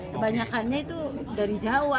kebanyakannya itu dari jawa